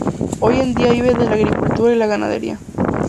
Hoy en día vive de la agricultura y la ganadería.